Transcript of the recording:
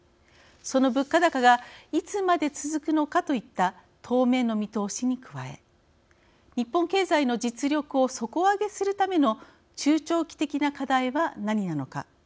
その物価高がいつまで続くのかといった当面の見通しに加え日本経済の実力を底上げするための中長期的な課題は何なのか。